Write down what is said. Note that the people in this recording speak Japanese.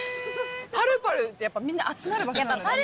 パルパルやっぱみんな集まる場所なんだね。